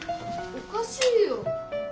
おかしいよ！